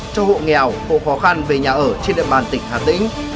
cho hộ nghèo hộ khó khăn về nhà ở trên địa bàn tỉnh hà tĩnh